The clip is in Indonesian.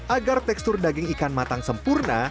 agar tekstur daging ikan matang sempurna